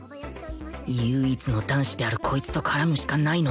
唯一の男子であるこいつと絡むしかないのだった